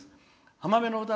「浜辺の歌」